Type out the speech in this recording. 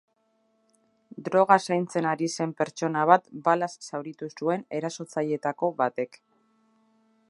Droga zaintzen ari zen pertsona bat balaz zauritu zuen erasotzaileetako batek.